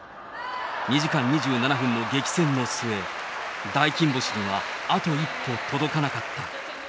２時間２７分の激戦の末、大金星には、あと一歩届かなかった。